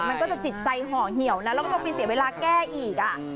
มันก็จะจิตใจห่อเหี่ยวนะแล้วก็ต้องไปเสียเวลาแก้อีก